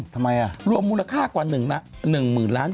เธอมีที่อยู่เนอะ